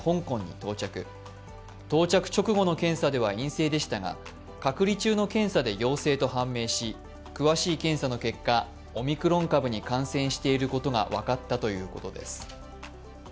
到着直後の検査では陰性でしたが隔離中の検査で陽性と判明し、詳しい検査の結果、オミクロン株に感染していることが分かったということです。